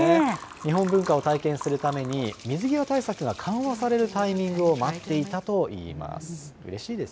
日本文化を体験するために、水際対策が緩和されるタイミングを待っていたといいます。